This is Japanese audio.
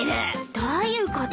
どういうこと？